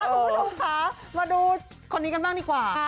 ผู้ชมขาคุณผู้ชมคะมาดูคนนี้กันบ้างดีกว่า